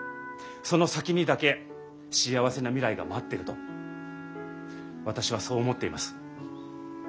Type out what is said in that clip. その先にだけ幸せな未来が待ってると私はそう思っています。